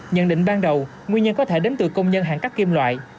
nhận định ban đầu nguyên nhân có thể đến từ công nhân hạn cắt kim loại